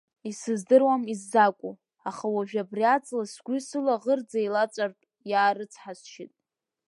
Исыздырам иззакәу, аха уажәы абри аҵла сгәи сылаӷырӡи еилаҵәартә иаарыцҳасшьеит.